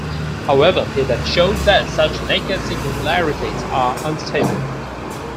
However, he then showed that such "naked singularities" are unstable.